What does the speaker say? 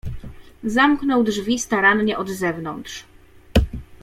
"Zamknął drzwi starannie od zewnątrz."